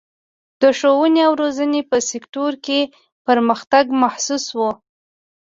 د ښوونې او روزنې په سکتور کې پرمختګ محسوس و.